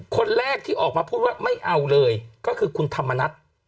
คนแรกที่ออกมาพูดว่าไม่เอาเลยก็คือคุณธรรมนัฐ